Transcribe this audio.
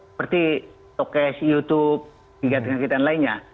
seperti tiktok cash youtube kegiatan kegiatan lainnya